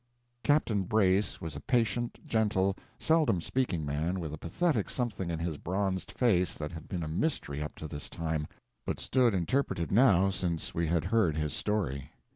Captain Brace was a patient, gentle, seldom speaking man, with a pathetic something in his bronzed face that had been a mystery up to this time, but stood interpreted now since we had heard his story.